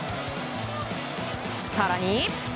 更に。